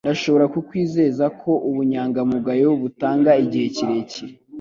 Ndashobora kukwizeza ko ubunyangamugayo butanga igihe kirekire